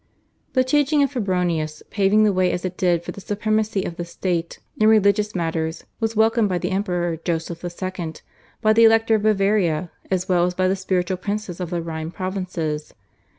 The teaching of Febronius, paving the way as it did for the supremacy of the State in religious matters, was welcomed by the Emperor Joseph II., by the Elector of Bavaria, as well as by the spiritual princes of the Rhine provinces.